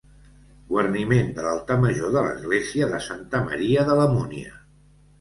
Guarniment de l'altar major de l'Església de Santa Maria de la Múnia.